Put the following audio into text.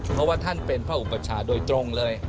เพราะว่าท่านเป็นพระอุปชาโดยตรงเลย